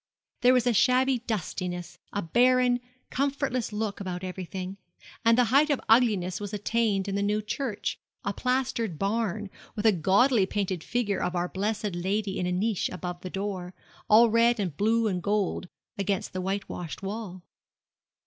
There was a shabby dustiness, a barren, comfortless look about everything; and the height of ugliness was attained in the new church, a plastered barn, with a gaudily painted figure of our Blessed Lady in a niche above the door, all red and blue and gold, against the white washed wall.